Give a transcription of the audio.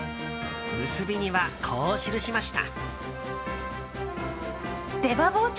結びには、こう記しました。